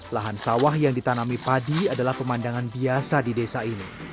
lahan sawah yang ditanami padi adalah pemandangan biasa di desa ini